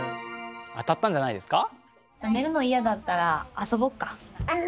当たったんじゃないですか？